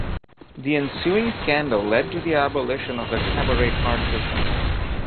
The ensuing scandal led to the abolition of the cabaret card system.